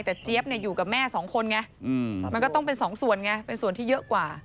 แต่เจี๊ยบอยู่กับแม่สองคนไงมันก็ต้องเป็นสองส่วนไงเป็นส่วนที่เยอะกว่า